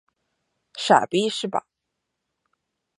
傻逼是吧？